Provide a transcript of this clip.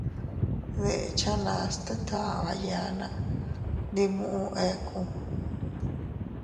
Deʼechanas tet aʼaba yanna, ndi muʼu iynuu.